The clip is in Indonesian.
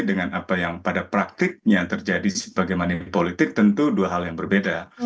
dengan apa yang pada praktiknya terjadi sebagai money politik tentu dua hal yang berbeda